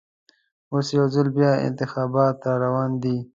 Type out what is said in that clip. اوس یوځل بیا انتخابات راروان دي.